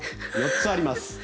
４つあります。